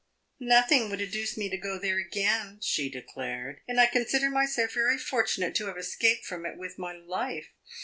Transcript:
"Nothing would induce me to go there again," she declared, "and I consider myself very fortunate to have escaped from it with my life.